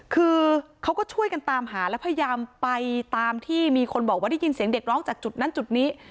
คือเขาก็ช่วยกันตามหาแล้วพยายามไปตามที่มีคนบอกว่าได้ยินเสียงเด็กร้องจากจุดนั้นจุดนี้